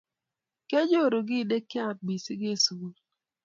kyanyoru kiiy nikyachan missing eng sugul